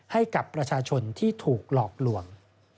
ให้กับประชาชนที่ถูกหลอกลวง